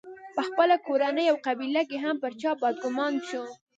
په خپله کورنۍ او قبیله کې هم پر چا بدګومان شو.